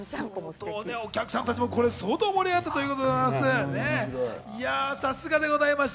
お客さんたちも相当盛り上がったということでございます。